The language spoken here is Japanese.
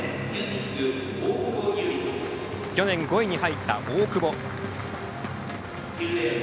去年５位に入った大久保。